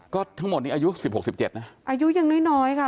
ก็ทั้งหมดนี้อายุสิบหกสิบเจ็ดนะอายุยังน้อยค่ะ